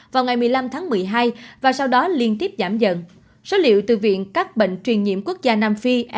mỗi ngày và sau đó liên tiếp giảm dần số liệu từ viện các bệnh truyền nhiễm quốc gia nam phi